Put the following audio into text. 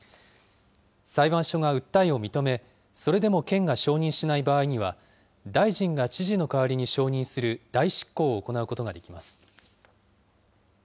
裁判所が訴えを認め、それでも県が承認しない場合には、大臣が知事の代わりに承認する代執行を行うことができます。